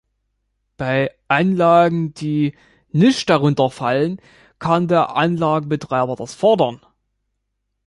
Bei Anlagen, die nicht darunter fallen, kann der Anlagenbetreiber das fordern.